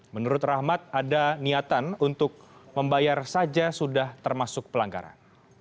menurut rahmat ada niatan untuk membayar saja sudah termasuk pelanggaran